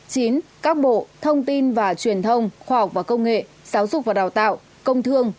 các bộ thông tin và truyền thông khoa học và công nghệ giáo dục và đào tạo công thương